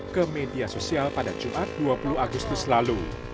ke media sosial pada jumat dua puluh agustus lalu